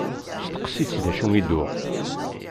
Steqsi-tt d acu i d-tuɣ.